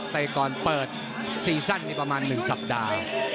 แต่ก่อนเปิดซีซั่นประมาณ๑สัปดาห์